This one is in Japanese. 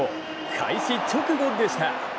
開始直後でした。